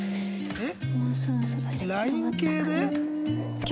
えっ。